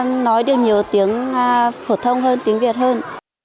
nó nói được nhiều tiếng phổ thông hơn tiếng việt hơn